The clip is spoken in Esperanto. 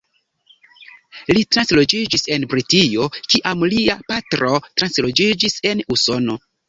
Li transloĝiĝis al Britio, kiam lia patro transloĝiĝis el Usono.